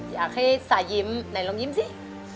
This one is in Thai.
อยากให้สายยิ้มไหนลองยิ้มสิ